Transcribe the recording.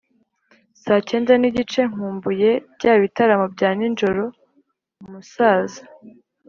saa kenda n igice Nkumbuye bya bitaramo bya nijoro umusaza